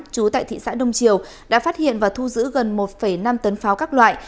chú tại thị xã đông triều đã phát hiện và thu giữ gần một năm tấn pháo các loại